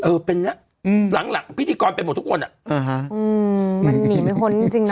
เออเป็นน่ะหลังพิธีกรเป็นหมดทุกคนอ่ะมันหนีไม่พ้นจริงนะ